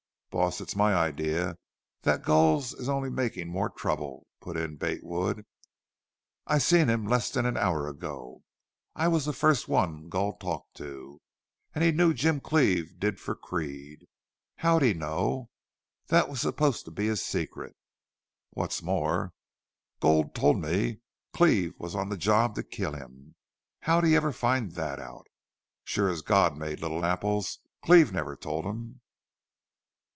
"Boss, it's my idee thet Gul is only makin' more trouble," put in Bate Wood. "I seen him less than an hour ago. I was the first one Gul talked to. An' he knew Jim Cleve did for Creede. How'd he know? Thet was supposed to be a secret. What's more, Gul told me Cleve was on the job to kill him. How'd he ever find thet out?... Sure as God made little apples Cleve never told him!"